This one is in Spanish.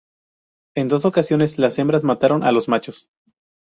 En dos ocasiones, las hembras mataron a los machos.